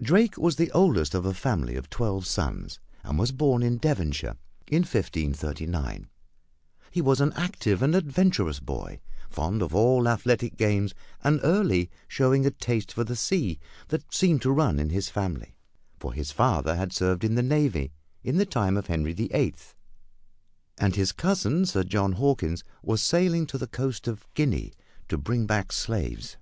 Drake was the oldest of a family of twelve sons and was born in Devonshire in 1539. He was an active and adventurous boy, fond of all athletic games and early showing a taste for the sea that seemed to run in his family, for his father had served in the navy in the time of Henry the Eighth, and his cousin, Sir John Hawkins, was sailing to the coast of Guinea to bring back slaves.